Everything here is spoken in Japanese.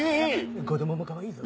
子供もかわいいぞ。